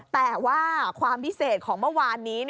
แต่ว่าความพิเศษของเมื่อวานนี้